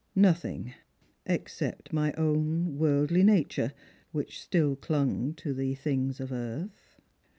" Nothing, except my own worldly nature, which still clung to the things of earth."